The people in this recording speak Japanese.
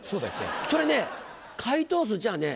それね回答数じゃあね